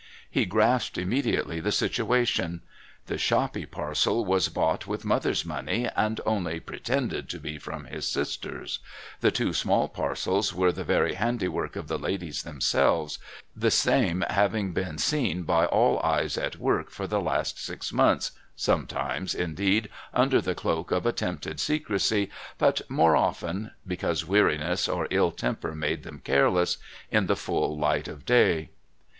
He grasped immediately the situation. The shoppy parcel was bought with mother's money and only "pretended" to be from his sisters; the two small parcels were the very handiwork of the ladies themselves, the same having been seen by all eyes at work for the last six months, sometimes, indeed, under the cloak of attempted secrecy, but more often because weariness or ill temper made them careless in the full light of day.